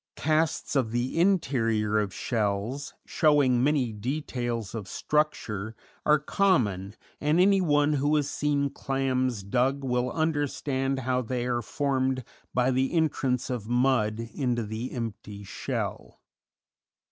Casts of the interior of shells, showing many details of structure, are common, and anyone who has seen clams dug will understand how they are formed by the entrance of mud into the empty shell.